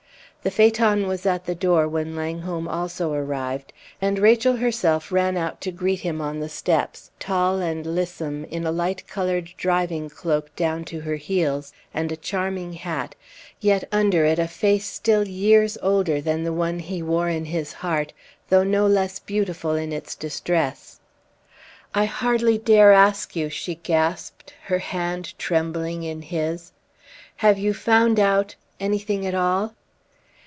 The phaeton was at the door when Langholm also arrived, and Rachel herself ran out to greet him on the steps tall and lissome, in a light colored driving cloak down to her heels, and a charming hat yet under it a face still years older than the one he wore in his heart, though no less beautiful in its distress. "I hardly dare ask you!" she gasped, her hand trembling in his. "Have you found out anything at all?"